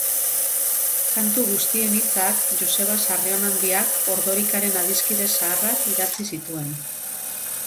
Kantu guztien hitzak Joseba Sarrionandiak, Ordorikaren adiskide zaharrak, idatzi zituen.